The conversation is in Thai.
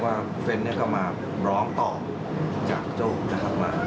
ครับเฟรนก็มาร้องต่อจากโจ้นะครับ